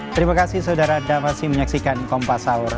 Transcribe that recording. terima kasih saudara dan masi menyaksikan kompasaur